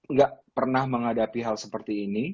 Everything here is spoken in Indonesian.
nggak pernah menghadapi hal seperti ini